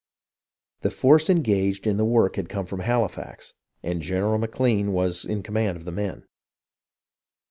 The force engaged in the work had come from Halifax, and General McLean was in command of the men.